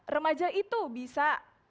remaja itu bisa